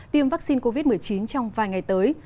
tiêm vaccine covid một mươi chín trong vài ngày tới